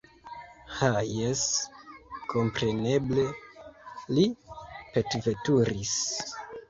Ha jes, kompreneble, li petveturis!